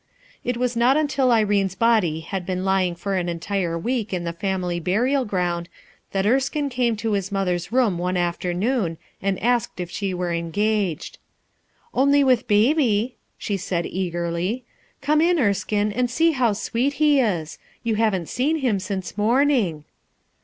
Ii was not until Irene's body had been lying for an entire week in the family burial ground that Erskine came to his mother's room one afternoon and asked if she were engaged. "Only with Baby," she said eagerly. "Come in, Erskine, and sec how sweet he is. You haven't seen him since morning."